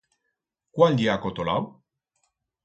Cuál ye acotolau?